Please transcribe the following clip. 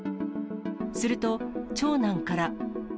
すると、長男から。